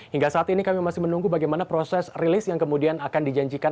hingga saat ini kami masih menunggu bagaimana proses rilis yang kemudian akan dijanjikan